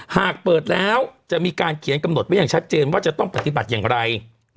หากเปิดแล้วจะมีการเขียนกำหนดไว้อย่างชัดเจนว่าจะต้องปฏิบัติอย่างไร